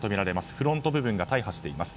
フロント部部が大破しています。